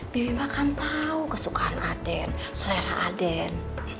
bibi ma kan tahu kesukaan aden selera aden